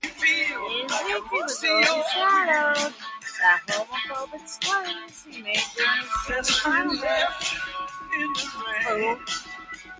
His victory was overshadowed by homophobic slurs he made during his semifinal match.